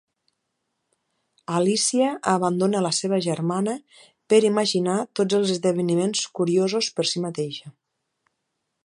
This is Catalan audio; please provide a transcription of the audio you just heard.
Alícia abandona la seva germana per imaginar tots els esdeveniments curiosos per si mateixa.